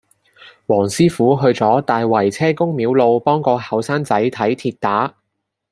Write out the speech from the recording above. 黃師傅去大圍車公廟路幫個後生仔睇跌打